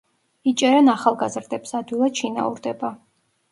იჭერენ ახალგაზრდებს, ადვილად შინაურდება.